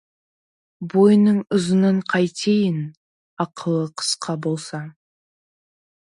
Бойының ұзынын қайтейін, ақылы қысқа болса.